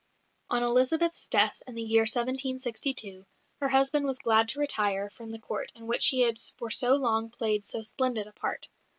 On Elizabeth's death, in the year 1762, her husband was glad to retire from the Court in which he had for so long played so splendid a part.